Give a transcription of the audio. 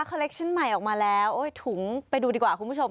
คอเล็กชั่นใหม่ออกมาแล้วถุงไปดูดีกว่าคุณผู้ชม